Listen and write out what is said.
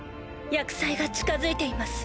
厄災が近づいています。